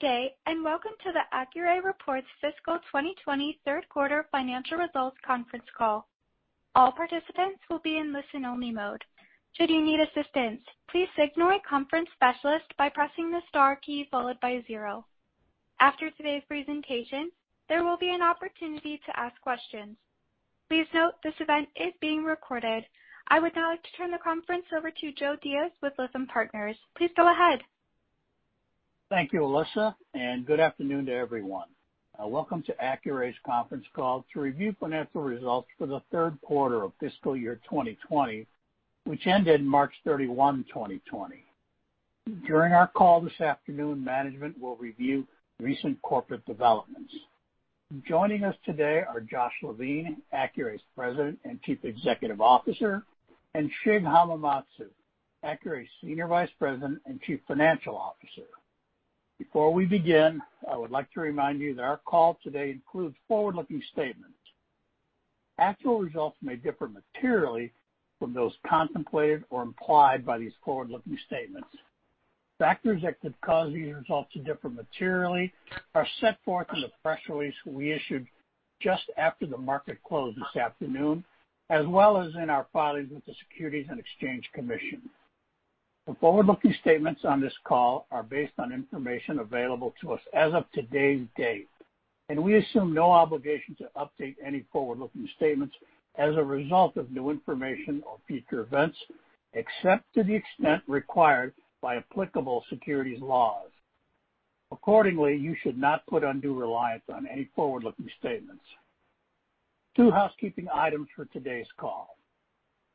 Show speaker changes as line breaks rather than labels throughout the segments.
Good day, and welcome to the Accuray Reports Fiscal 2020 Third Quarter Financial Results Conference Call. All participants will be in listen-only mode. Should you need assistance, please signal a conference specialist by pressing the star key followed by zero. After today's presentation, there will be an opportunity to ask questions. Please note this event is being recorded. I would now like to turn the conference over to Joe Diaz with Lytham Partners. Please go ahead.
Thank you, Alyssa, and good afternoon to everyone. Welcome to Accuray's conference call to review financial results for the third quarter of fiscal year 2020, which ended March 31, 2020. During our call this afternoon, management will review recent corporate developments. Joining us today are Joshua Levine, Accuray's President and Chief Executive Officer, and Shig Hamamatsu, Accuray's Senior Vice President and Chief Financial Officer. Before we begin, I would like to remind you that our call today includes forward-looking statements. Actual results may differ materially from those contemplated or implied by these forward-looking statements. Factors that could cause these results to differ materially are set forth in the press release we issued just after the market closed this afternoon, as well as in our filings with the Securities and Exchange Commission. The forward-looking statements on this call are based on information available to us as of today's date, and we assume no obligation to update any forward-looking statements as a result of new information or future events, except to the extent required by applicable securities laws. Accordingly, you should not put undue reliance on any forward-looking statements. Two housekeeping items for today's call.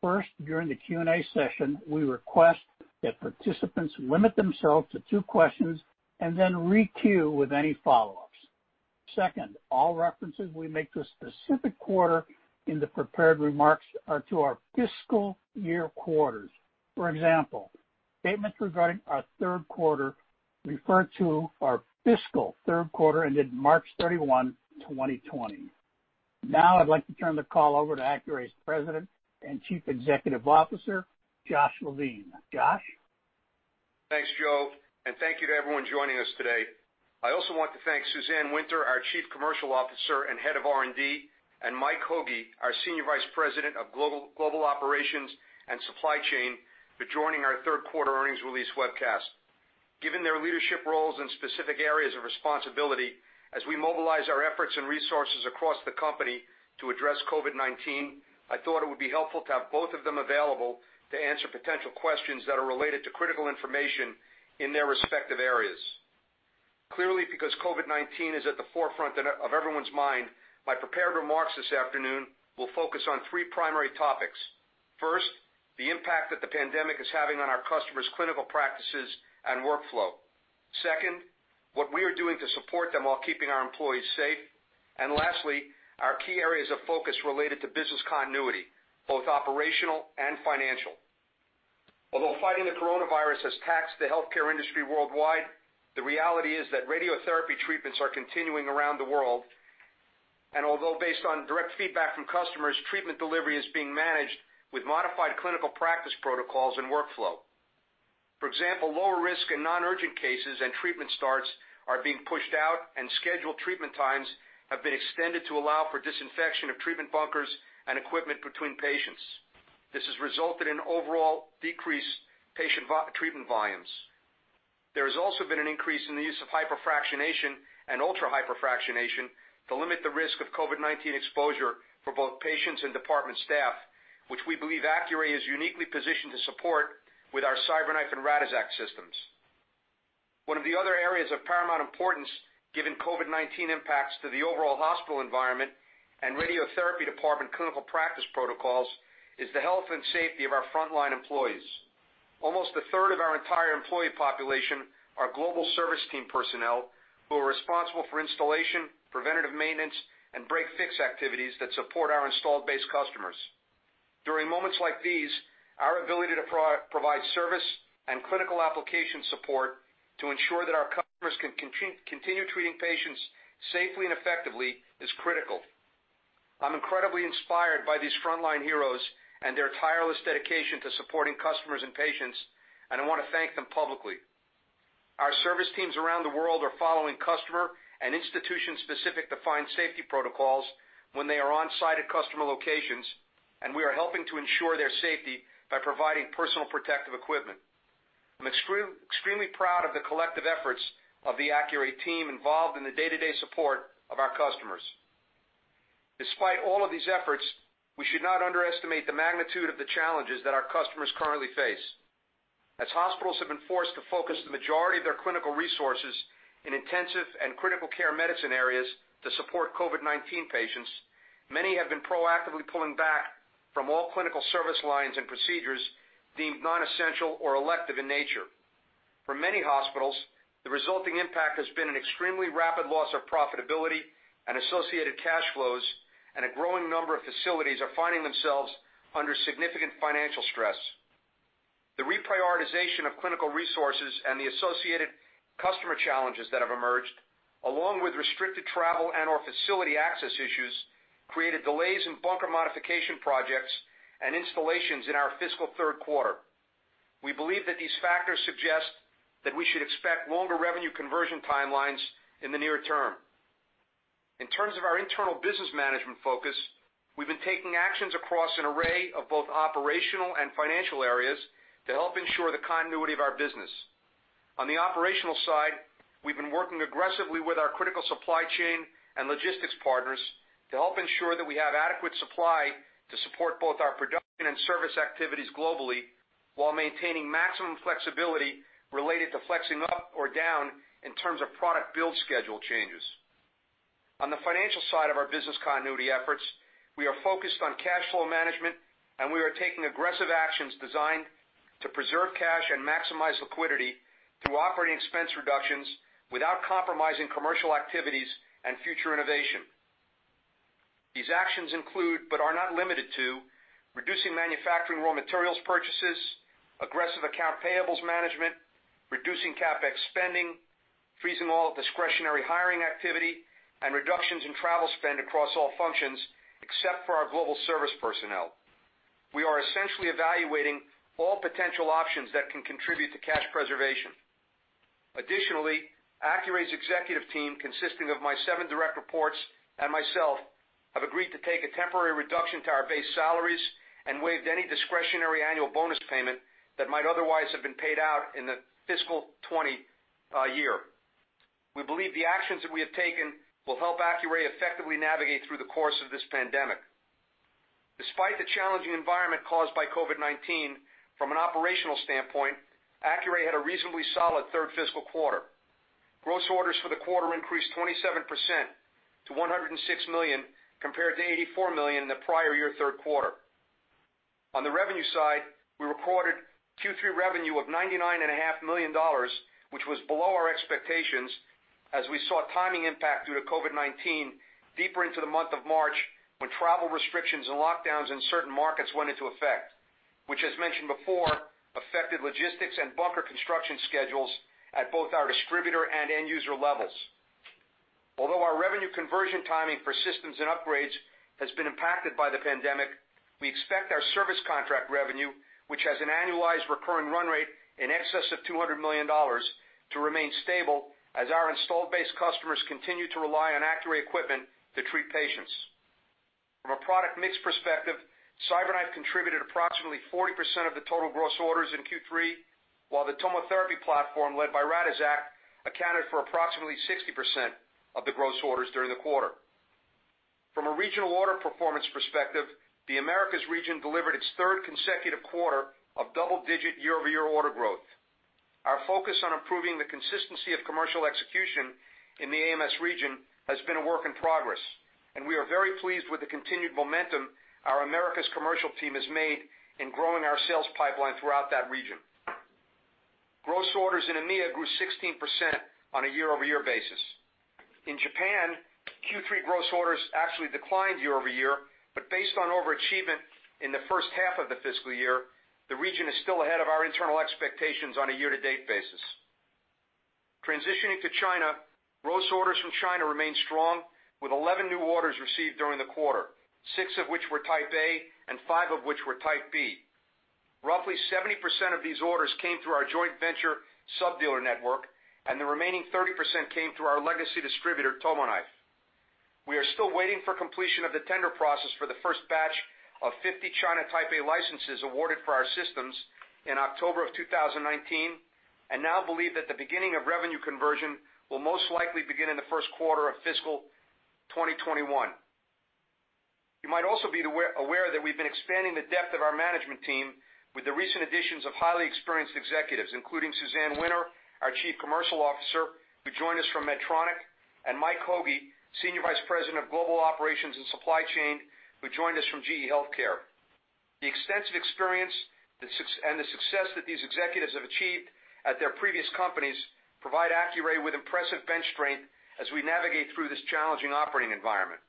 First, during the Q&A session, we request that participants limit themselves to two questions and then re-queue with any follow-ups. Second, all references we make to a specific quarter in the prepared remarks are to our fiscal year quarters. For example, statements regarding our third quarter refer to our fiscal third quarter that ended March 31, 2020. Now I'd like to turn the call over to Accuray's President and Chief Executive Officer, Joshua Levine. Josh?
Thanks, Joe, and thank you to everyone joining us today. I also want to thank Suzanne Winter, our Chief Commercial Officer and Head of R&D, and Michael Hoge, our Senior Vice President of Global Operations and Supply Chain, for joining our third quarter earnings release webcast. Given their leadership roles in specific areas of responsibility, as we mobilize our efforts and resources across the company to address COVID-19, I thought it would be helpful to have both of them available to answer potential questions that are related to critical information in their respective areas. Clearly, because COVID-19 is at the forefront of everyone's mind, my prepared remarks this afternoon will focus on three primary topics. First, the impact that the pandemic is having on our customers' clinical practices and workflow. Second, what we are doing to support them while keeping our employees safe. Lastly, our key areas of focus related to business continuity, both operational and financial. Although fighting the Coronavirus has taxed the healthcare industry worldwide, the reality is that radiotherapy treatments are continuing around the world. Although based on direct feedback from customers, treatment delivery is being managed with modified clinical practice protocols and workflow. For example, lower risk and non-urgent cases and treatment starts are being pushed out, and scheduled treatment times have been extended to allow for disinfection of treatment bunkers and equipment between patients. This has resulted in overall decreased patient treatment volumes. There has also been an increase in the use of hyperfractionation and ultra-hypofractionation to limit the risk of COVID-19 exposure for both patients and department staff, which we believe Accuray is uniquely positioned to support with our CyberKnife and Radixact systems. One of the other areas of paramount importance, given COVID-19 impacts to the overall hospital environment and radiotherapy department clinical practice protocols, is the health and safety of our frontline employees. Almost 1/3 of our entire employee population are global service team personnel, who are responsible for installation, preventative maintenance, and break/fix activities that support our installed base customers. During moments like these, our ability to provide service and clinical application support to ensure that our customers can continue treating patients safely and effectively is critical. I'm incredibly inspired by these frontline heroes and their tireless dedication to supporting customers and patients, and I want to thank them publicly. Our service teams around the world are following customer- and institution-specific defined safety protocols when they are on-site at customer locations, and we are helping to ensure their safety by providing personal protective equipment. I'm extremely proud of the collective efforts of the Accuray team involved in the day-to-day support of our customers. Despite all of these efforts, we should not underestimate the magnitude of the challenges that our customers currently face. As hospitals have been forced to focus the majority of their clinical resources in intensive and critical care medicine areas to support COVID-19 patients, many have been proactively pulling back from all clinical service lines and procedures deemed non-essential or elective in nature. For many hospitals, the resulting impact has been an extremely rapid loss of profitability and associated cash flows, and a growing number of facilities are finding themselves under significant financial stress. The reprioritization of clinical resources and the associated customer challenges that have emerged, along with restricted travel and/or facility access issues, created delays in bunker modification projects and installations in our fiscal third quarter. We believe that these factors suggest that we should expect longer revenue conversion timelines in the near term. In terms of our internal business management focus, we've been taking actions across an array of both operational and financial areas to help ensure the continuity of our business. On the operational side, we've been working aggressively with our critical supply chain and logistics partners to help ensure that we have adequate supply to support both our production and service activities globally while maintaining maximum flexibility related to flexing up or down in terms of product build schedule changes. On the financial side of our business continuity efforts, we are focused on cash flow management, and we are taking aggressive actions designed to preserve cash and maximize liquidity through operating expense reductions without compromising commercial activities and future innovation. These actions include, but are not limited to, reducing manufacturing raw materials purchases, aggressive account payables management, reducing CapEx spending, freezing all discretionary hiring activity, and reductions in travel spend across all functions except for our global service personnel. We are essentially evaluating all potential options that can contribute to cash preservation. Additionally, Accuray's executive team, consisting of my seven direct reports and myself, have agreed to take a temporary reduction to our base salaries and waived any discretionary annual bonus payment that might otherwise have been paid out in the fiscal 20 year. We believe the actions that we have taken will help Accuray effectively navigate through the course of this pandemic. Despite the challenging environment caused by COVID-19, from an operational standpoint, Accuray had a reasonably solid third fiscal quarter. Gross orders for the quarter increased 27% to $106 million, compared to $84 million in the prior year third quarter. On the revenue side, we recorded Q3 revenue of $99.5 million, which was below our expectations as we saw timing impact due to COVID-19 deeper into the month of March, when travel restrictions and lockdowns in certain markets went into effect, which, as mentioned before, affected logistics and bunker construction schedules at both our distributor and end user levels. Our revenue conversion timing for systems and upgrades has been impacted by the pandemic, we expect our service contract revenue, which has an annualized recurring run rate in excess of $200 million, to remain stable as our installed base customers continue to rely on Accuray equipment to treat patients. From a product mix perspective, CyberKnife contributed approximately 40% of the total gross orders in Q3, while the TomoTherapy platform, led by Radixact, accounted for approximately 60% of the gross orders during the quarter. From a regional order performance perspective, the Americas region delivered its third consecutive quarter of double-digit year-over-year order growth. Our focus on improving the consistency of commercial execution in the AMS region has been a work in progress, and we are very pleased with the continued momentum our Americas commercial team has made in growing our sales pipeline throughout that region. Gross orders in EMEA grew 16% on a year-over-year basis. In Japan, Q3 gross orders actually declined year-over-year, but based on overachievement in the first half of the fiscal year, the region is still ahead of our internal expectations on a year-to-date basis. Transitioning to China, gross orders from China remained strong with 11 new orders received during the quarter, six of which were Type A and five of which were Type B. Roughly 70% of these orders came through our joint venture sub-dealer network, and the remaining 30% came through our legacy distributor, Tomo [Knife]. We are still waiting for completion of the tender process for the first batch of 50 China Type A licenses awarded for our systems in October of 2019 and now believe that the beginning of revenue conversion will most likely begin in the first quarter of fiscal 2021. You might also be aware that we've been expanding the depth of our management team with the recent additions of highly experienced executives, including Suzanne Winter, our Chief Commercial Officer, who joined us from Medtronic, and Michael Hoge, Senior Vice President of Global Operations and Supply Chain, who joined us from GE HealthCare. The extensive experience and the success that these executives have achieved at their previous companies provide Accuray with impressive bench strength as we navigate through this challenging operating environment.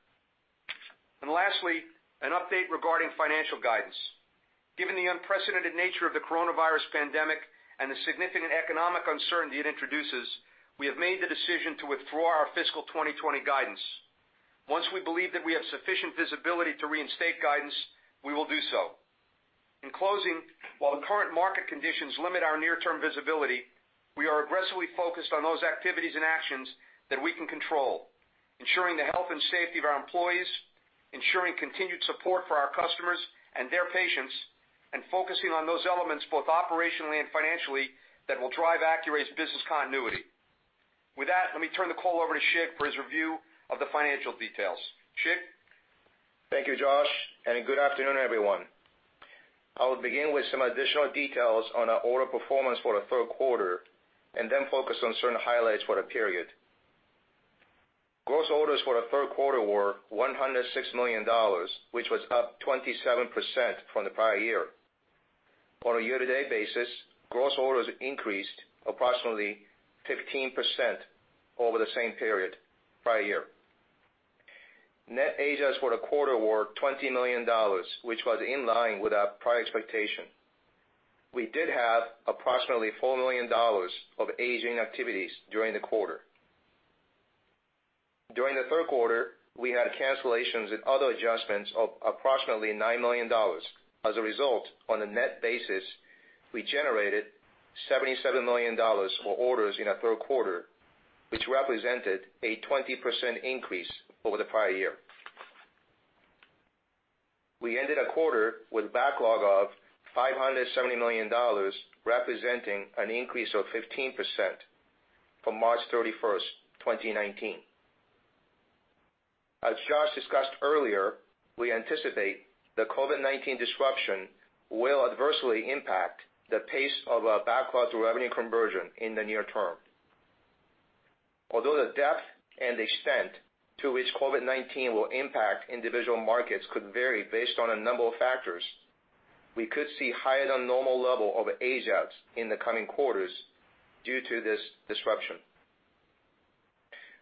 Lastly, an update regarding financial guidance. Given the unprecedented nature of the coronavirus pandemic and the significant economic uncertainty it introduces, we have made the decision to withdraw our fiscal 2020 guidance. Once we believe that we have sufficient visibility to reinstate guidance, we will do so. In closing, while the current market conditions limit our near-term visibility, we are aggressively focused on those activities and actions that we can control. Ensuring the health and safety of our employees, ensuring continued support for our customers and their patients, and focusing on those elements, both operationally and financially, that will drive Accuray's business continuity. With that, let me turn the call over to Shig for his review of the financial details. Shig?
Thank you, Josh, and good afternoon, everyone. I will begin with some additional details on our order performance for the third quarter and then focus on certain highlights for the period. Gross orders for the third quarter were $106 million, which was up 27% from the prior year. On a year-to-date basis, gross orders increased approximately 15% over the same period prior year. Net [age-outs] for the quarter were $20 million, which was in line with our prior expectation. We did have approximately $4 million of [age-in] activities during the quarter. During the third quarter, we had cancellations and other adjustments of approximately $9 million. As a result, on a net basis, we generated $77 million for orders in the third quarter, which represented a 20% increase over the prior year. We ended the quarter with backlog of $570 million, representing an increase of 15% from March 31st, 2019. As Josh discussed earlier, we anticipate the COVID-19 disruption will adversely impact the pace of our backlog to revenue conversion in the near term. Although the depth and extent to which COVID-19 will impact individual markets could vary based on a number of factors, we could see higher than normal level of age outs in the coming quarters due to this disruption.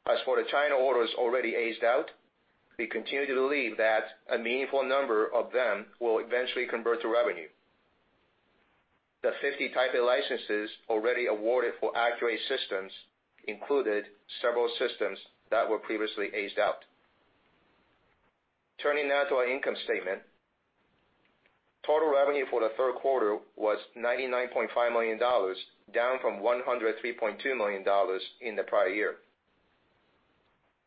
As for the China orders already aged out, we continue to believe that a meaningful number of them will eventually convert to revenue. The 50 Type A licenses already awarded for Accuray systems included several systems that were previously aged out. Turning now to our income statement. Total revenue for the third quarter was $99.5 million, down from $103.2 million in the prior year.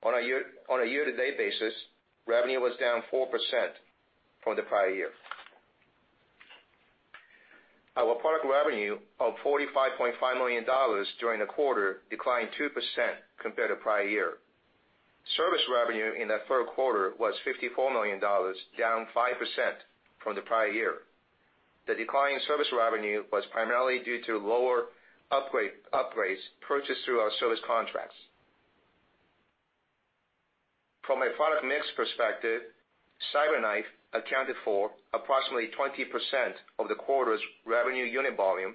On a year-to-date basis, revenue was down 4% from the prior year. Our product revenue of $45.5 million during the quarter declined 2% compared to prior year. Service revenue in the third quarter was $54 million, down 5% from the prior year. The decline in service revenue was primarily due to lower upgrades purchased through our service contracts. From a product mix perspective, CyberKnife accounted for approximately 20% of the quarter's revenue unit volume,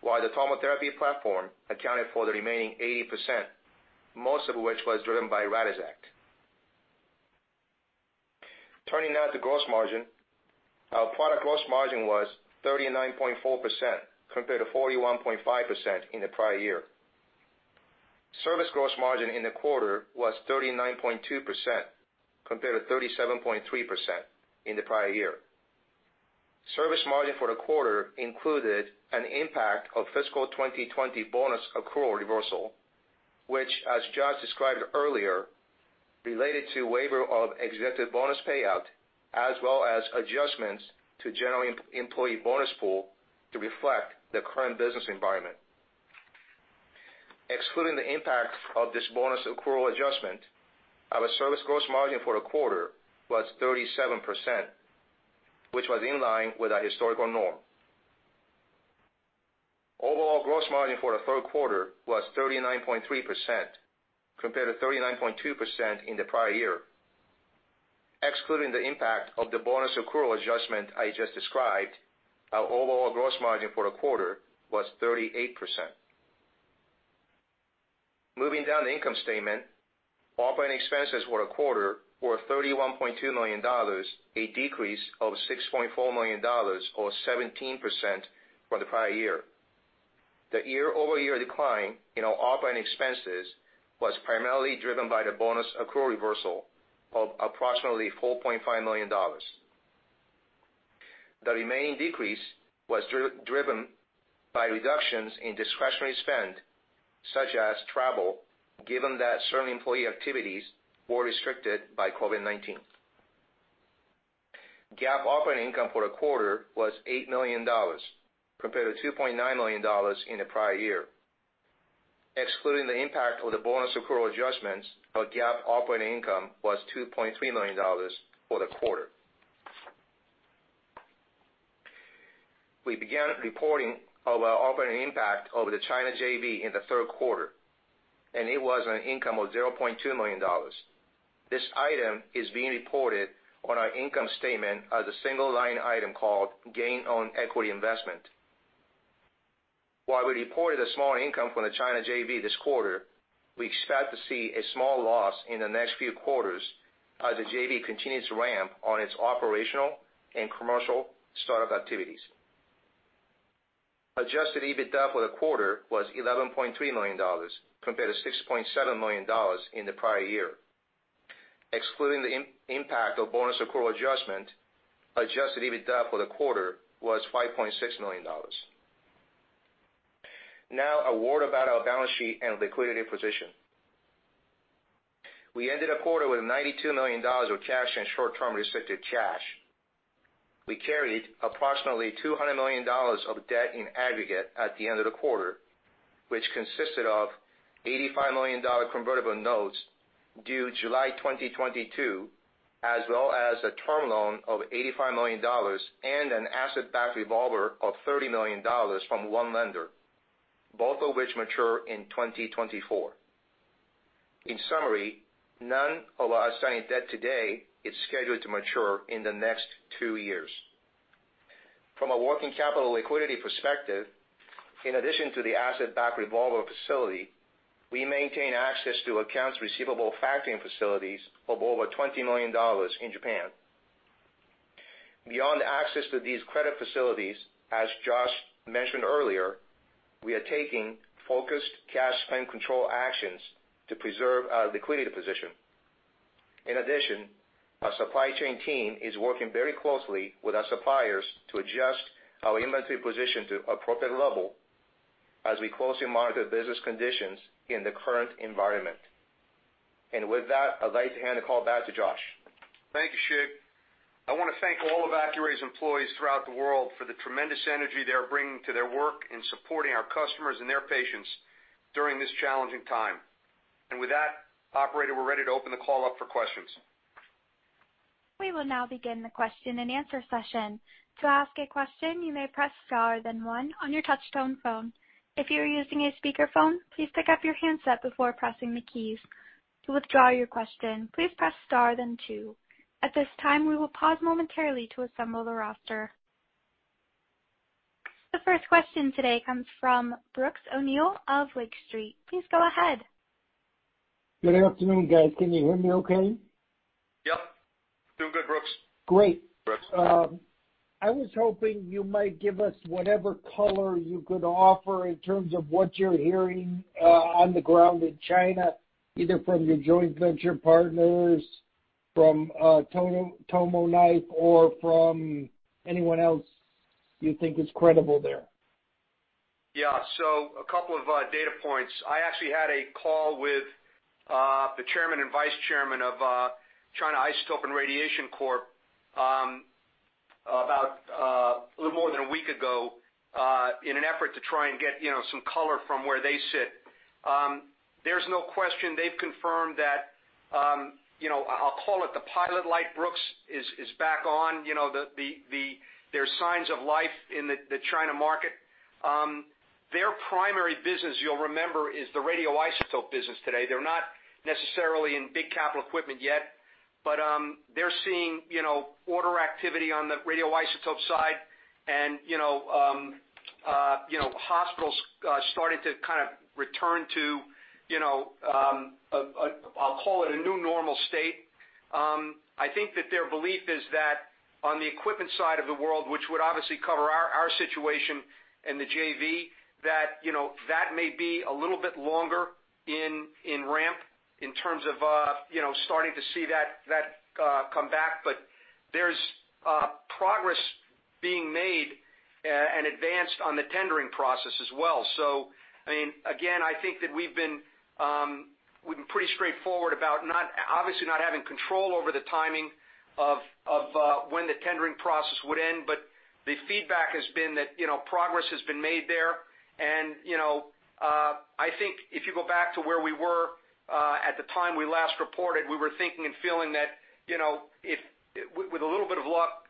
while the TomoTherapy platform accounted for the remaining 80%, most of which was driven by Radixact. Turning now to gross margin. Our product gross margin was 39.4% compared to 41.5% in the prior year. Service gross margin in the quarter was 39.2% compared to 37.3% in the prior year. Service margin for the quarter included an impact of fiscal 2020 bonus accrual reversal, which, as Josh described earlier, related to waiver of executive bonus payout, as well as adjustments to general employee bonus pool to reflect the current business environment. Excluding the impact of this bonus accrual adjustment, our service gross margin for the quarter was 37%, which was in line with our historical norm. Overall gross margin for the third quarter was 39.3% compared to 39.2% in the prior year. Excluding the impact of the bonus accrual adjustment I just described, our overall gross margin for the quarter was 38%. Moving down the income statement. Operating expenses for the quarter were $31.2 million, a decrease of $6.4 million or 17% from the prior year. The year-over-year decline in our operating expenses was primarily driven by the bonus accrual reversal of approximately $4.5 million. The remaining decrease was driven by reductions in discretionary spend, such as travel, given that certain employee activities were restricted by COVID-19. GAAP operating income for the quarter was $8 million compared to $2.9 million in the prior year. Excluding the impact of the bonus accrual adjustments, our GAAP operating income was $2.3 million for the quarter. We began reporting our operating impact of the China JV in the third quarter, and it was an income of $0.2 million. This item is being reported on our income statement as a single line item called gain on equity investment. While we reported a small income from the China JV this quarter, we expect to see a small loss in the next few quarters as the JV continues to ramp on its operational and commercial startup activities. Adjusted EBITDA for the quarter was $11.3 million, compared to $6.7 million in the prior year. Excluding the impact of bonus accrual adjustment, adjusted EBITDA for the quarter was $5.6 million. A word about our balance sheet and liquidity position. We ended the quarter with $92 million of cash and short-term restricted cash. We carried approximately $200 million of debt in aggregate at the end of the quarter, which consisted of $85 million convertible notes due July 2022, as well as a term loan of $85 million and an asset-backed revolver of $30 million from one lender, both of which mature in 2024. In summary, none of our outstanding debt today is scheduled to mature in the next two years. From a working capital liquidity perspective, in addition to the asset-backed revolver facility, we maintain access to accounts receivable factoring facilities of over $20 million in Japan. Beyond access to these credit facilities, as Josh mentioned earlier, we are taking focused cash spend control actions to preserve our liquidity position. In addition, our supply chain team is working very closely with our suppliers to adjust our inventory position to appropriate level as we closely monitor business conditions in the current environment. With that, I'd like to hand the call back to Josh.
Thank you, Shig. I want to thank all of Accuray's employees throughout the world for the tremendous energy they are bringing to their work in supporting our customers and their patients during this challenging time. With that, Operator, we're ready to open the call up for questions.
We will now begin the question-and-answer session. To ask a question, you may press star then one on your touch-tone phone. If you are using a speakerphone, please pick up your handset before pressing the keys. To withdraw your question, please press star then two. At this time, we will pause momentarily to assemble the roster. The first question today comes from Brooks O'Neil of Lake Street. Please go ahead.
Good afternoon, guys. Can you hear me okay?
Yep. Doing good, Brooks.
Great. I was hoping you might give us whatever color you could offer in terms of what you're hearing on the ground in China, either from your joint venture partners, from Tomo Knife, or from anyone else you think is credible there.
Yeah. A couple of data points. I actual y had a call with the Chairman and Vice Chairman of China Isotope & Radiation Corp. about a little more than a week ago in an effort to try and get some color from where they sit. There's no question they've confirmed that, I'll call it the pilot light, Brooks, is back on. There's signs of life in the China market. Their primary business, you'll remember, is the radioisotope business today. They're not necessarily in big capital equipment yet, but they're seeing order activity on the radioisotope side and hospitals starting to kind of return to, I'll call it a new normal state. I think that their belief is that on the equipment side of the world, which would obviously cover our situation and the JV, that may be a little bit longer in ramp in terms of starting to see that come back. There's progress being made and advanced on the tendering process as well. Again, I think that we've been pretty straightforward about obviously not having control over the timing of when the tendering process would end, but the feedback has been that progress has been made there. I think if you go back to where we were at the time we last reported, we were thinking and feeling that with a little bit of luck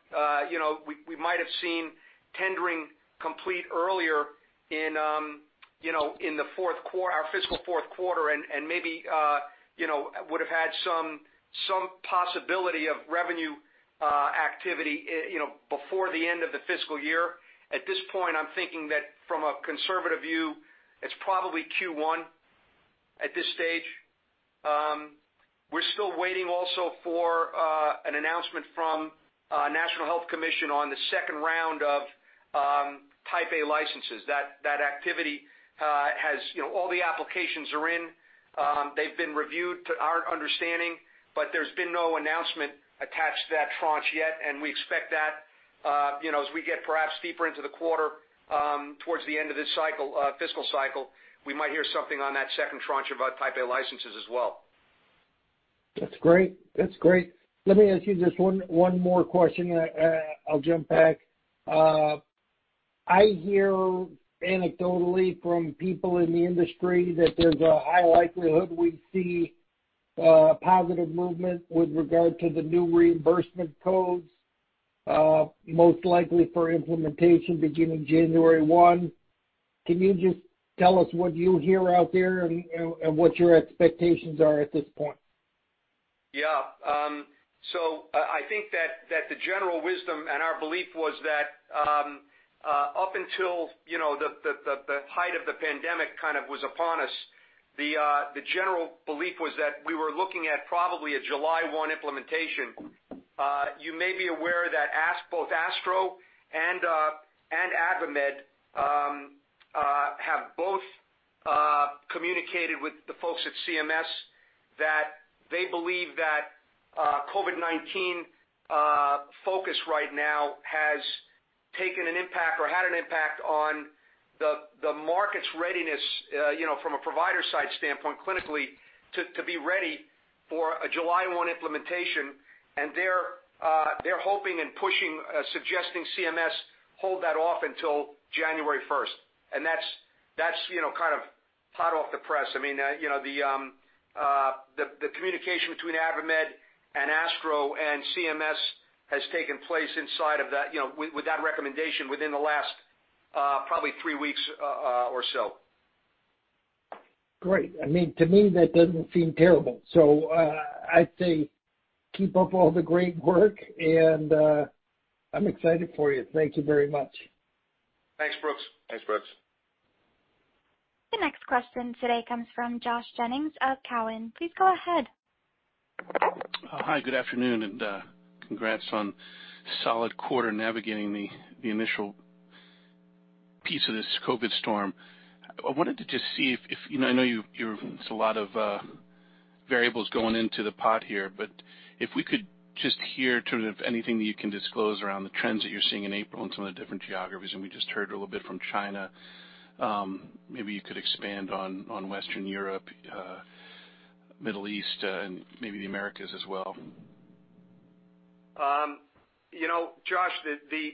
we might have seen tendering complete earlier in our fiscal fourth quarter and maybe would have had some possibility of revenue activity before the end of the fiscal year. At this point, I'm thinking that from a conservative view, it's probably Q1 at this stage. We're still waiting also for an announcement from National Health Commission on the second round of Type A licenses. All the applications are in. They've been reviewed to our understanding, but there's been no announcement attached to that tranche yet, and we expect that as we get perhaps deeper into the quarter towards the end of this fiscal cycle, we might hear something on that second tranche about Type A licenses as well.
That's great. Let me ask you just one more question. I'll jump back. I hear anecdotally from people in the industry that there's a high likelihood we'd see positive movement with regard to the new reimbursement codes, most likely for implementation beginning January 1. Can you just tell us what you hear out there and what your expectations are at this point?
Yeah. I think that the general wisdom and our belief was that up until the height of the pandemic kind of was upon us, the general belief was that we were looking at probably a July 1 implementation. You may be aware that both ASTRO and AdvaMed have both communicated with the folks at CMS that they believe that COVID-19 focus right now has taken an impact or had an impact on the market's readiness from a provider side standpoint clinically to be ready for a July 1 implementation, and they're hoping and pushing, suggesting CMS hold that off until January 1. That's kind of hot off the press. The communication between AdvaMed and ASTRO and CMS has taken place with that recommendation within the last probably three weeks or so.
Great. To me, that doesn't seem terrible. I'd say keep up all the great work, and I'm excited for you. Thank you very much.
Thanks, Brooks.
The next question today comes from Josh Jennings of Cowen. Please go ahead.
Hi, good afternoon and congrats on a solid quarter navigating the initial piece of this COVID storm. I wanted to just see if, I know you've a lot of variables going into the pot here, but if we could just hear sort of anything that you can disclose around the trends that you're seeing in April in some of the different geographies, and we just heard a little bit from China. Maybe you could expand on Western Europe, Middle East, and maybe the Americas as well.
Josh, the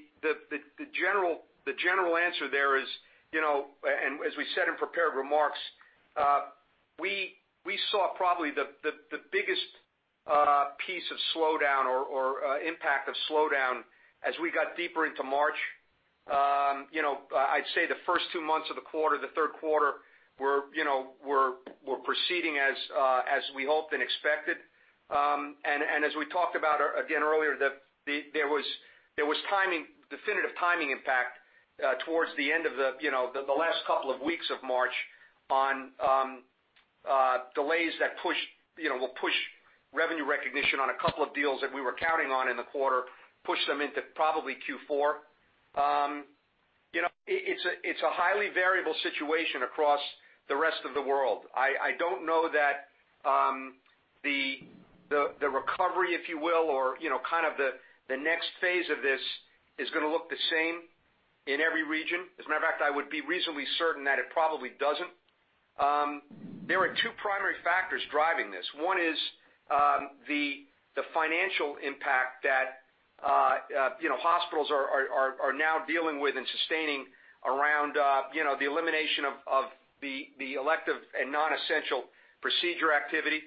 general answer there is, as we said in prepared remarks, we saw probably the biggest piece of slowdown or impact of slowdown as we got deeper into March. I'd say the first two months of the quarter, the third quarter, were proceeding as we hoped and expected. As we talked about again earlier, there was definitive timing impact towards the end of the last couple of weeks of March on delays that will push revenue recognition on a couple of deals that we were counting on in the quarter, push them into probably Q4. It's a highly variable situation across the rest of the world. I don't know that the recovery, if you will, or kind of the next phase of this is going to look the same in every region. As a matter of fact, I would be reasonably certain that it probably doesn't. There are two primary factors driving this. One is the financial impact that hospitals are now dealing with and sustaining around the elimination of the elective and non-essential procedure activity.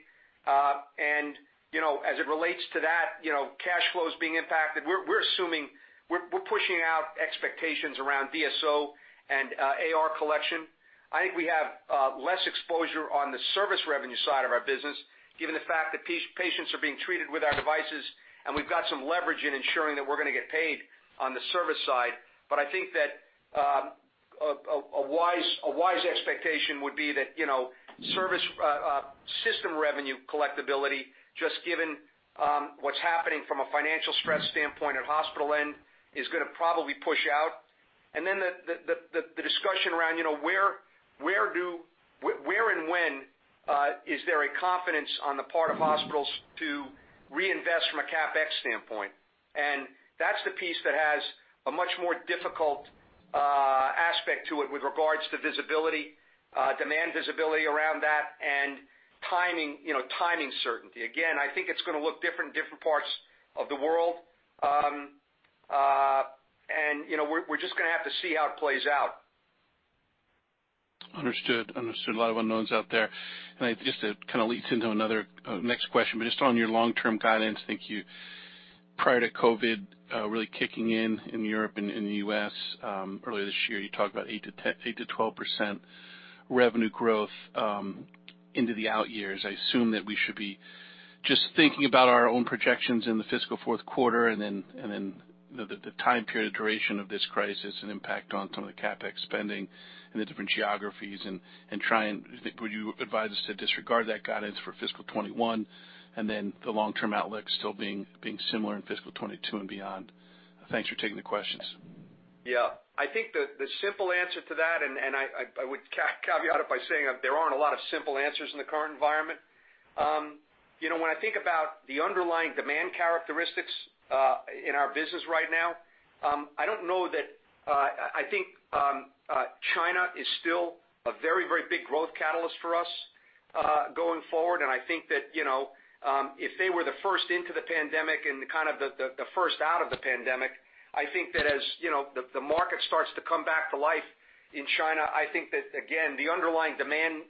As it relates to that, cash flow is being impacted. We're pushing out expectations around DSO and AR collection. I think we have less exposure on the service revenue side of our business, given the fact that patients are being treated with our devices, and we've got some leverage in ensuring that we're going to get paid on the service side. I think that a wise expectation would be that service system revenue collectability, just given what's happening from a financial stress standpoint at hospital end, is going to probably push out. Then the discussion around where and when is there a confidence on the part of hospitals to reinvest from a CapEx standpoint? That's the piece that has a much more difficult aspect to it with regards to demand visibility around that and timing certainty. Again, I think it's going to look different in different parts of the world. We're just going to have to see how it plays out.
Understood. A lot of unknowns out there. Just to kind of leads into another next question, but just on your long-term guidance, I think you, prior to COVID really kicking in in Europe and in the U.S. earlier this year, you talked about 8%-12% revenue growth into the out years. I assume that we should be just thinking about our own projections in the fiscal fourth quarter and then the time period duration of this crisis and impact on some of the CapEx spending in the different geographies. Would you advise us to disregard that guidance for fiscal 2021, and then the long-term outlook still being similar in fiscal 2022 and beyond? Thanks for taking the questions.
Yeah. I think the simple answer to that, and I would caveat it by saying there aren't a lot of simple answers in the current environment. When I think about the underlying demand characteristics in our business right now, I think China is still a very, very big growth catalyst for us going forward, and I think that if they were the first into the pandemic and kind of the first out of the pandemic, I think that again, the underlying demand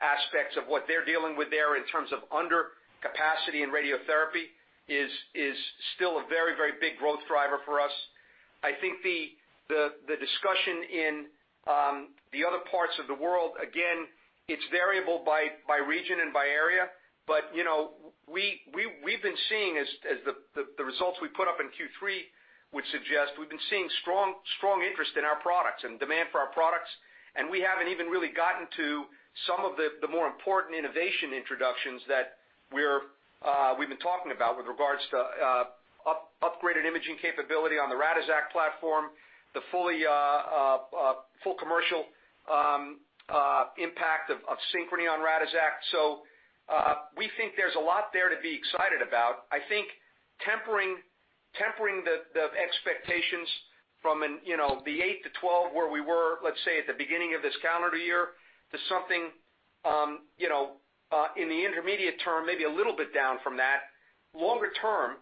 aspects of what they're dealing with there in terms of under capacity and radiotherapy is still a very, very big growth driver for us. I think the discussion in the other parts of the world, again, it's variable by region and by area, but we've been seeing as the results we put up in Q3 would suggest, we've been seeing strong interest in our products and demand for our products, and we haven't even really gotten to some of the more important innovation introductions that we've been talking about with regards to upgraded imaging capability on the Radixact platform, the full commercial impact of Synchrony on Radixact. We think there's a lot there to be excited about. I think tempering the expectations from the 8%-12% where we were, let's say, at the beginning of this calendar year to something in the intermediate term, maybe a little bit down from that. Longer term,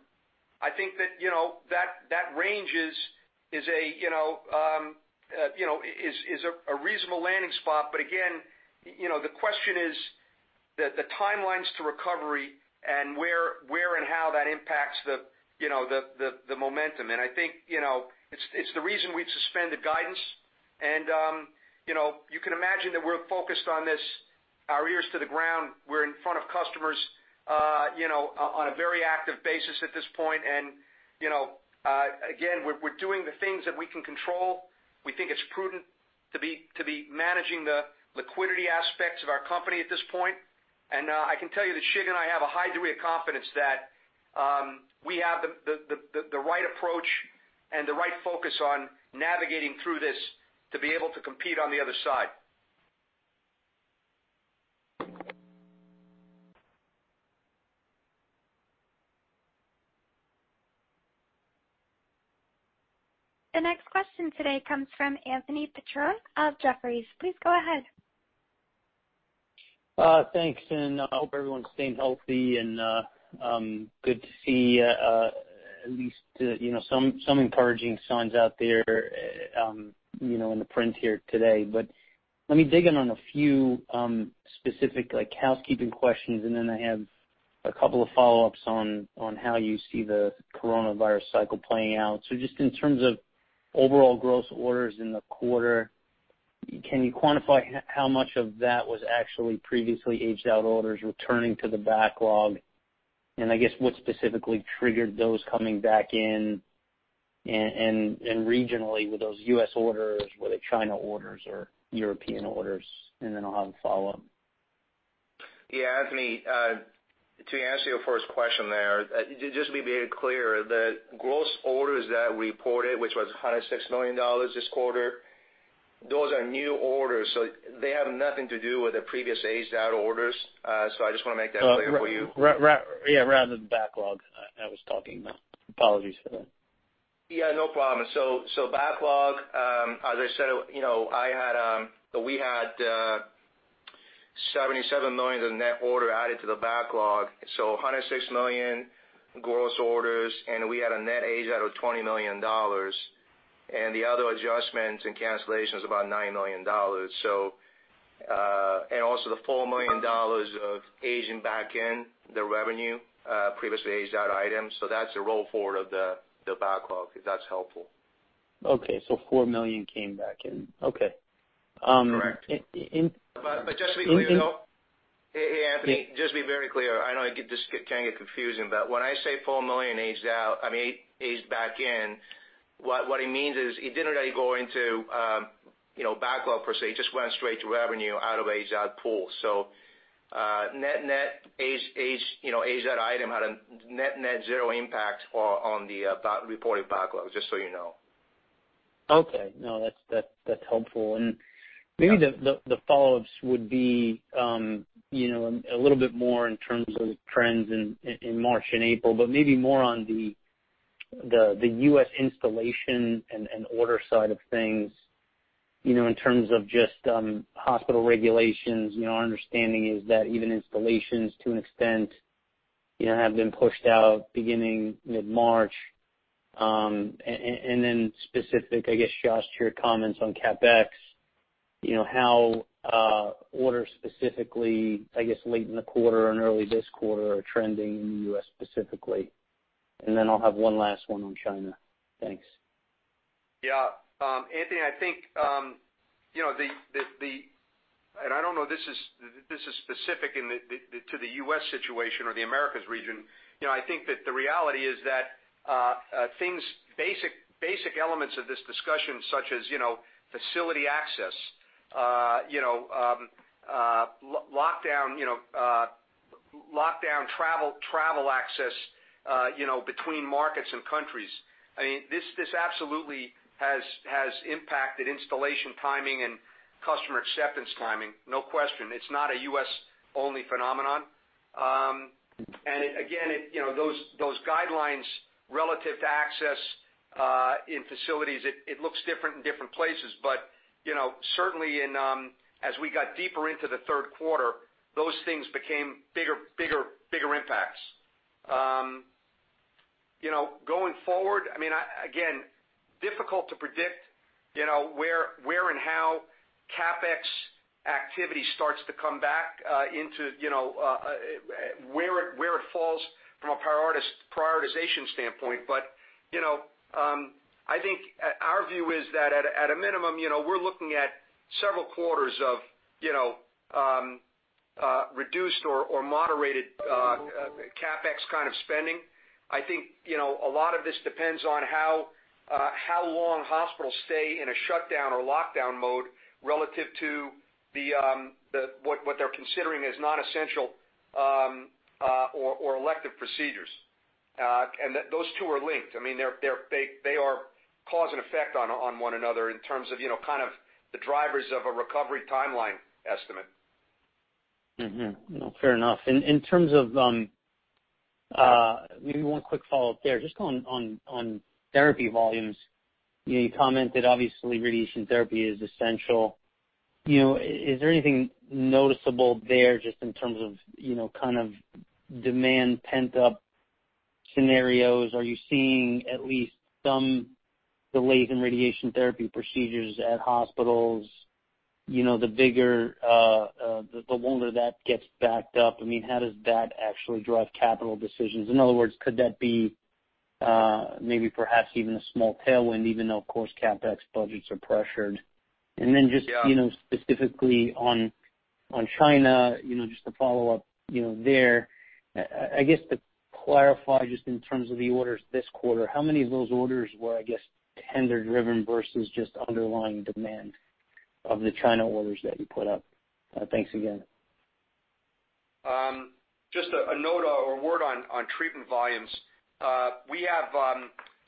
I think that range is a reasonable landing spot. Again, the question is the timelines to recovery and where and how that impacts the momentum. I think, it's the reason we've suspended guidance. You can imagine that we're focused on this, our ears to the ground. We're in front of customers on a very active basis at this point. Again, we're doing the things that we can control. We think it's prudent to be managing the liquidity aspects of our company at this point. I can tell you that Shig and I have a high degree of confidence that we have the right approach and the right focus on navigating through this to be able to compete on the other side.
The next question today comes from Anthony Petrone of Jefferies. Please go ahead.
Thanks, and I hope everyone's staying healthy, and good to see at least some encouraging signs out there in the print here today. Let me dig in on a few specific housekeeping questions, and then I have a couple of follow-ups on how you see the coronavirus cycle playing out. Just in terms of overall gross orders in the quarter, can you quantify how much of that was actually previously aged out orders returning to the backlog? I guess what specifically triggered those coming back in, and regionally, were those U.S. orders? Were they China orders or European orders? Then I'll have a follow-up.
Yeah, Anthony, to answer your first question there, just to be very clear, the gross orders that we reported, which was $106 million this quarter, those are new orders. They have nothing to do with the previous aged out orders. I just want to make that clear for you.
Yeah, rather than backlog, I was talking about. Apologies for that.
Yeah, no problem. Backlog, as I said, we had $77 million in net order added to the backlog. So, $106 million gross orders, and we had a net age out of $20 million. The other adjustments and cancellation was about $9 million. Also, the $4 million of aging back in, the revenue, previously aged out items. That's the roll forward of the backlog, if that's helpful.
Okay. $4 million came back in. Okay.
Correct. Just to be clear, though. Hey, Anthony, just to be very clear, I know this can get confusing, but when I say $4 million aged back in, what it means is it didn't really go into backlog, per se. It just went straight to revenue out of aged out pool. Net aged out item had a net-zero impact on the reported backlog, just so you know.
Okay. No, that's helpful. Maybe the follow-ups would be a little bit more in terms of trends in March and April, but maybe more on the U.S. installation and order side of things, in terms of just hospital regulations. Our understanding is that even installations, to an extent, have been pushed out beginning mid-March. Specific, I guess, Josh, to your comments on CapEx, how orders specifically, I guess late in the quarter and early this quarter, are trending in the U.S. specifically. I'll have one last one on China. Thanks.
Yeah. Anthony, I think, and I don't know this is specific to the U.S. situation or the Americas region. I think that the reality is that basic elements of this discussion such as facility access, lockdown travel access between markets and countries, this absolutely has impacted installation timing and customer acceptance timing, no question. It's not a U.S.-only phenomenon. Again, those guidelines relative to access in facilities, it looks different in different places. Certainly as we got deeper into the third quarter, those things became bigger impacts. Going forward, again, difficult to predict where and how CapEx activity starts to come back into where it falls from a prioritization standpoint. I think our view is that at a minimum, we're looking at several quarters of reduced or moderated CapEx kind of spending. I think a lot of this depends on how long hospitals stay in a shutdown or lockdown mode relative to what they're considering as non-essential or elective procedures. Those two are linked. They are cause and effect on one another in terms of the drivers of a recovery timeline estimate.
Fair enough. In terms of, maybe one quick follow-up there. Just on therapy volumes, you commented obviously radiation therapy is essential. Is there anything noticeable there just in terms of demand pent up scenarios, are you seeing at least some delays in radiation therapy procedures at hospitals? The longer that gets backed up, how does that actually drive capital decisions? In other words, could that be maybe perhaps even a small tailwind, even though, of course, CapEx budgets are pressured? Just specifically on China, just to follow up there, I guess to clarify, just in terms of the orders this quarter, how many of those orders were, I guess, tender-driven versus just underlying demand of the China orders that you put up? Thanks again.
Just a note or a word on treatment volumes. We have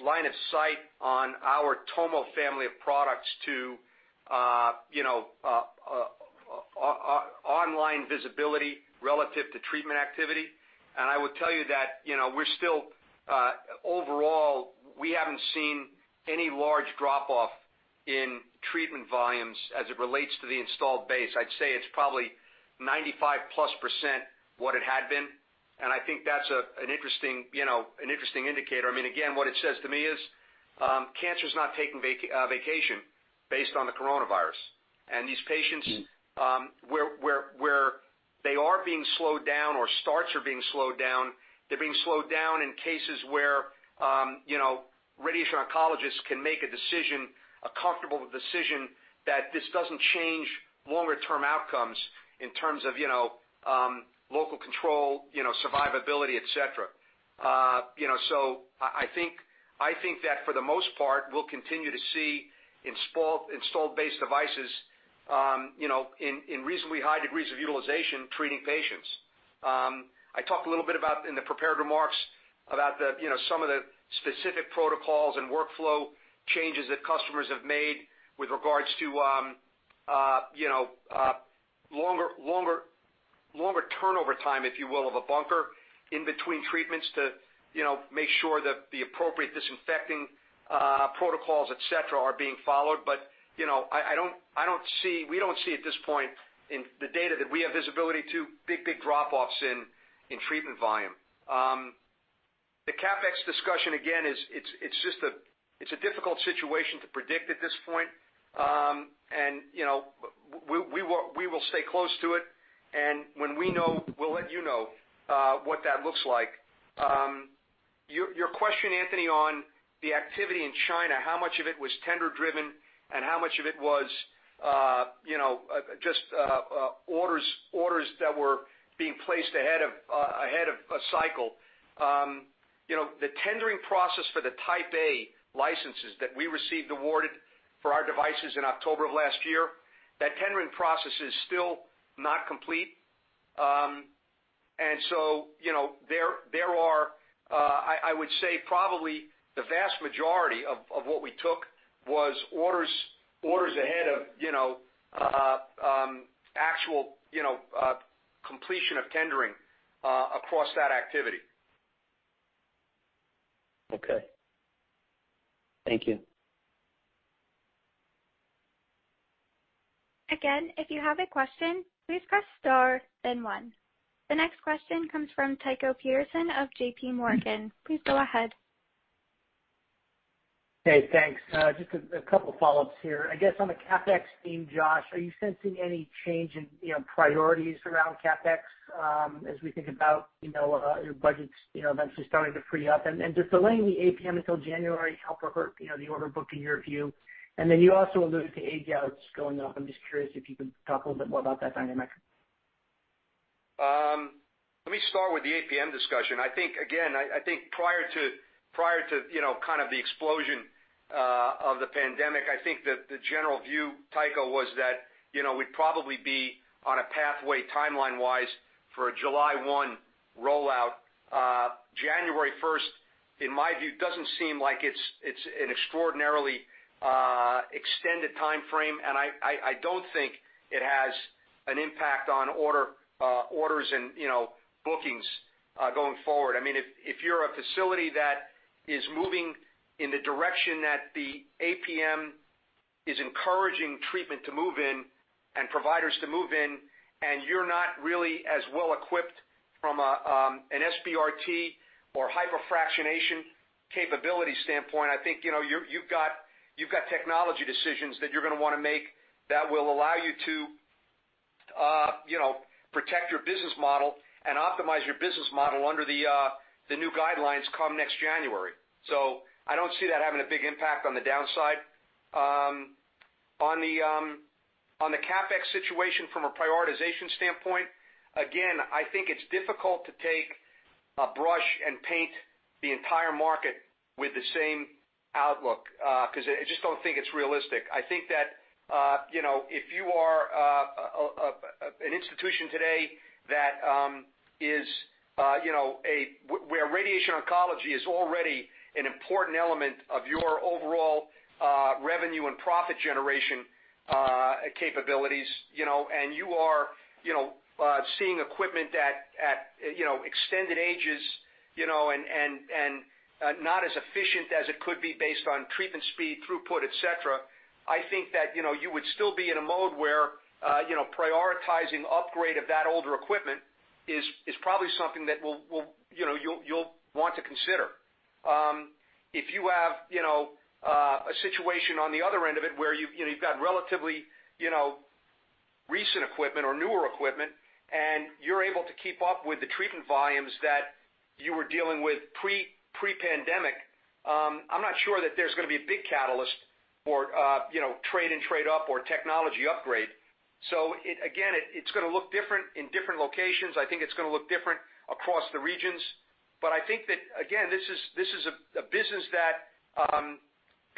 line of sight on our Tomo family of products to online visibility relative to treatment activity. I would tell you that overall, we haven't seen any large drop-off in treatment volumes as it relates to the installed base. I'd say it's probably 95+% what it had been, I think that's an interesting indicator. Again, what it says to me is, cancer's not taking vacation based on the coronavirus. These patients, where they are being slowed down or starts are being slowed down, they're being slowed down in cases where radiation oncologists can make a comfortable decision that this doesn't change longer-term outcomes in terms of local control, survivability, et cetera. I think that for the most part, we'll continue to see installed base devices in reasonably high degrees of utilization, treating patients. I talked a little bit in the prepared remarks about some of the specific protocols and workflow changes that customers have made with regards to longer turnover time, if you will, of a bunker in between treatments to make sure that the appropriate disinfecting protocols, et cetera, are being followed. We do not see at this point in the data that we have visibility to big drop-offs in treatment volume. The CapEx discussion, again, it's a difficult situation to predict at this point. We will stay close to it, and when we know, we'll let you know what that looks like. Your question, Anthony, on the activity in China, how much of it was tender-driven and how much of it was just orders that were being placed ahead of a cycle. The tendering process for the Type A licenses that we received awarded for our devices in October of last year, that tendering process is still not complete. There are, I would say, probably the vast majority of what we took was orders ahead of actual completion of tendering across that activity.
Okay. Thank you.
Again, if you have a question, please press star then one. The next question comes from Tycho Peterson of JPMorgan. Please go ahead.
Hey, thanks. Just a couple follow-ups here. I guess on the CapEx theme, Josh, are you sensing any change in priorities around CapEx as we think about your budgets eventually starting to free up? Does delaying the APM until January help or hurt the order book, in your view? Then you also alluded to [age-outs] going up. I'm just curious if you could talk a little bit more about that dynamic.
Let me start with the APM discussion. I think prior to kind of the explosion of the pandemic, I think that the general view, Tycho, was that we'd probably be on a pathway timeline-wise for a July 1 rollout. January 1st, in my view, doesn't seem like it's an extraordinarily extended timeframe, and I don't think it has an impact on orders and bookings going forward. If you're a facility that is moving in the direction that the APM is encouraging treatment to move in and providers to move in, and you're not really as well-equipped from an SBRT or hyperfractionation capability standpoint, I think you've got technology decisions that you're going to want to make that will allow you to protect your business model and optimize your business model under the new guidelines come next January. I don't see that having a big impact on the downside. On the CapEx situation from a prioritization standpoint, again, I think it's difficult to take a brush and paint the entire market with the same outlook, because I just don't think it's realistic. I think that if you are an institution today where radiation oncology is already an important element of your overall revenue and profit generation capabilities, and you are seeing equipment at extended ages and not as efficient as it could be based on treatment speed, throughput, et cetera. I think that you would still be in a mode where prioritizing upgrade of that older equipment is probably something that you'll want to consider. If you have a situation on the other end of it, where you've got relatively recent equipment or newer equipment, and you're able to keep up with the treatment volumes that you were dealing with pre-pandemic, I'm not sure that there's going to be a big catalyst for trade-in, trade-up, or technology upgrade. Again, it's going to look different in different locations. I think it's going to look different across the regions. I think that, again, this is a business that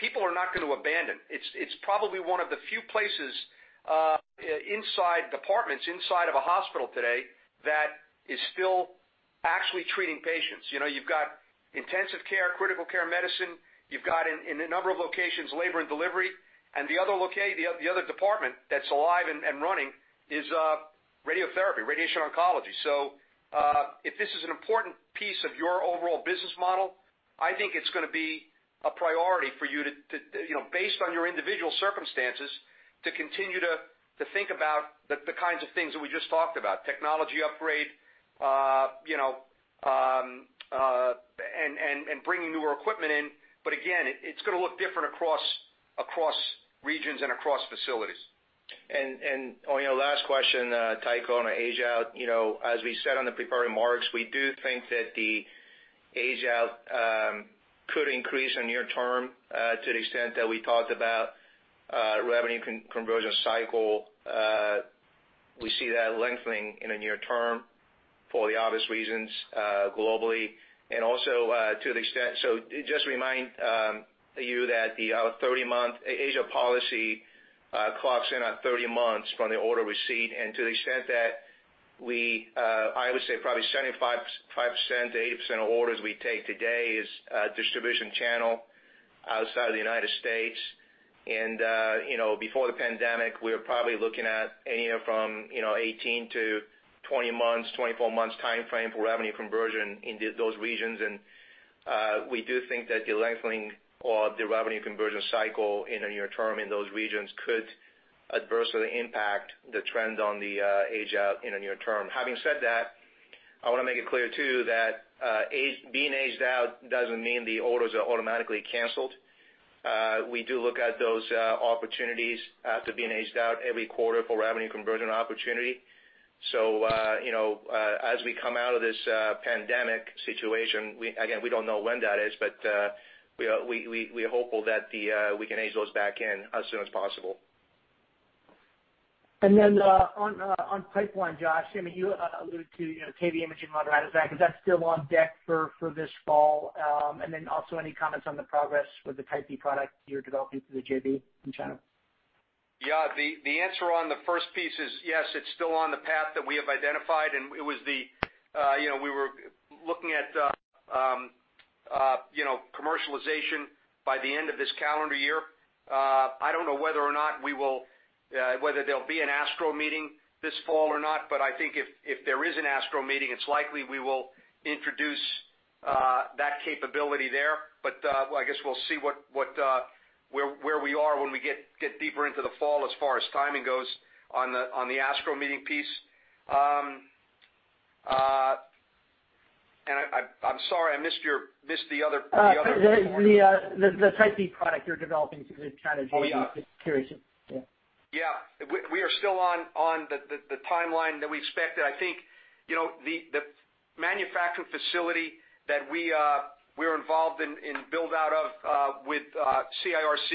people are not going to abandon. It's probably one of the few places inside departments, inside of a hospital today, that is still actually treating patients. You've got intensive care, critical care medicine. You've got, in a number of locations, labor and delivery. The other department that's alive and running is radiotherapy, radiation oncology. If this is an important piece of your overall business model, I think it's going to be a priority for you to, based on your individual circumstances, to continue to think about the kinds of things that we just talked about, technology upgrade, and bringing newer equipment in. Again, it's going to look different across regions and across facilities.
Last question, Tycho, on the age-out. As we said on the prepared remarks, we do think that the age-out could increase in near term to the extent that we talked about revenue conversion cycle. We see that lengthening in the near term for the obvious reasons globally. Just remind you that the age-out policy clocks in at 30 months from the order receipt. To the extent that we, I would say probably 75%-80% of orders we take today is distribution channel outside of the United States. Before the pandemic, we were probably looking at anywhere from 18 months-20 months, 24 months' timeframe for revenue conversion in those regions. We do think that the lengthening of the revenue conversion cycle in the near term in those regions could adversely impact the trend on the age-out in the near term. Having said that, I want to make it clear too that being aged out doesn't mean the orders are automatically canceled. We do look at those opportunities to being aged out every quarter for revenue conversion opportunity. As we come out of this pandemic situation, again, we don't know when that is, but we're hopeful that we can age those back in as soon as possible.
On pipeline, Josh, you alluded to kV imaging on Radixact. Is that still on deck for this fall? Also any comments on the progress with the Type B product you're developing through the JV in China?
Yeah. The answer on the first piece is yes, it's still on the path that we have identified, and we were looking at commercialization by the end of this calendar year. I don't know whether or not there'll be an ASTRO meeting this fall or not, I think if there is an ASTRO meeting, it's likely we will introduce that capability there. I guess we'll see where we are when we get deeper into the fall as far as timing goes on the ASTRO meeting piece. I'm sorry, I missed the other part.
The Type B product you're developing through the China JV. Just curious. Yeah.
Yeah. We are still on the timeline that we expected. I think the manufacturing facility that we're involved in build-out of with CIRC,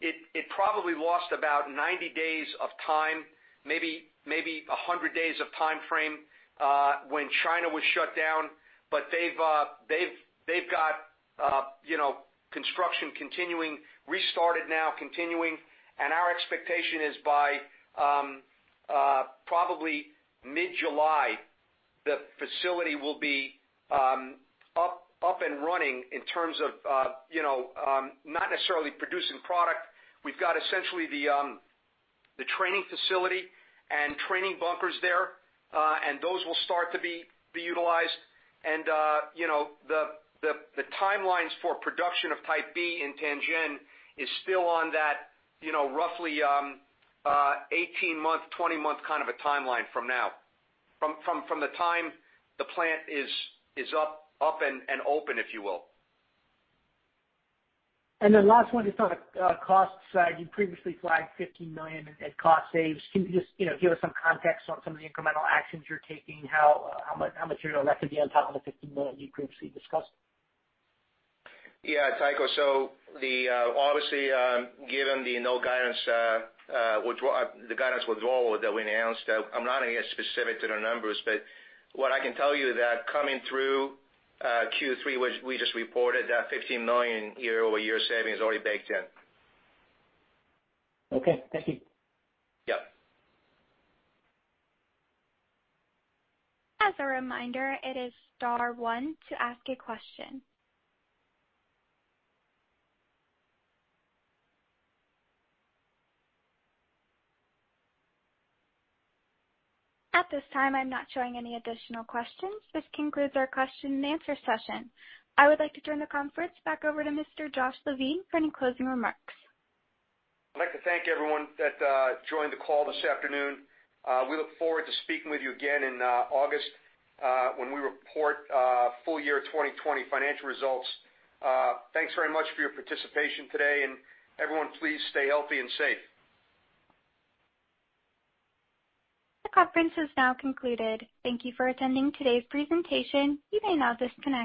it probably lost about 90 days of time, maybe 100 days of timeframe, when China was shut down. They've got construction continuing, restarted now, continuing. Our expectation is by probably mid-July, the facility will be up and running in terms of not necessarily producing product. We've got essentially the training facility and training bunkers there, and those will start to be utilized. The timelines for production of Type B in Tianjin is still on that roughly 18-month, 20-month kind of a timeline from now, from the time the plant is up and open, if you will.
Last one, just on the cost side, you previously flagged $15 million in cost saves. Can you just give us some context on some of the incremental actions you're taking? How much of that could be on top of the $15 million you previously discussed?
Yeah, Tycho, obviously, given the guidance withdrawal that we announced, I'm not going to get specific to the numbers. What I can tell you that coming through Q3, which we just reported, that $15 million year-over-year saving is already baked in.
Okay. Thank you.
As a reminder, it is star one to ask a question. At this time, I'm not showing any additional questions. This concludes our question and answer session. I would like to turn the conference back over to Mr. Joshua Levine for any closing remarks.
I'd like to thank everyone that joined the call this afternoon. We look forward to speaking with you again in August when we report full year 2020 financial results. Thanks very much for your participation today. Everyone please stay healthy and safe.
The conference is now concluded. Thank you for attending today's presentation. You may now disconnect.